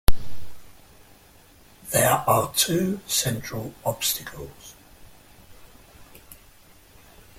There are two central obstacles.